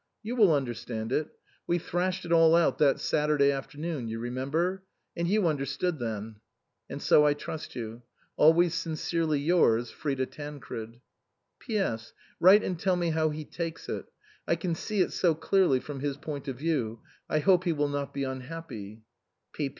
You will understand it ; we thrashed it all out that Saturday afternoon you remember? and you understood then. And so I trust you. " Always sincerely yours, "FRIDA TANCBED. "P.S. Write and tell me how he takes it. I can see it so clearly ! from his point of view. I hope he will not be unhappy.